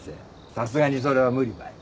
さすがにそれは無理ばい。